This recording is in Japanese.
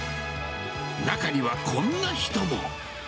中には、こんな人も。